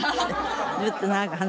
ずっとなんか話して。